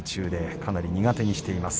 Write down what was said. かなり苦手にしています。